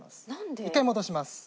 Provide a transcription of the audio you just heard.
１回戻します。